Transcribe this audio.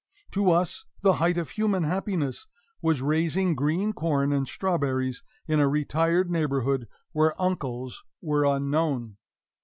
To us the height of human happiness was raising green corn and strawberries in a retired neighborhood where uncles were unknown.